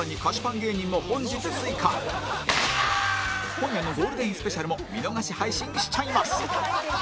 今夜のゴールデンスペシャルも見逃し配信しちゃいます